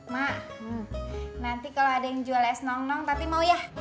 mak nanti kalau ada yang jual es nong nong tapi mau ya